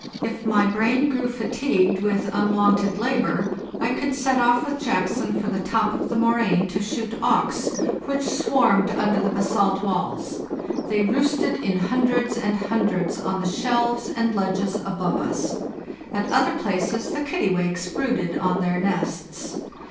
If my brain grew fatigued with unwonted labor, I could set off with Jackson for the top of the moraine to shoot auks, which swarmed under the basalt walls. They roosted in hundreds and hundreds on the shelves and ledges above us; at other places the kittiwakes brooded on their nests.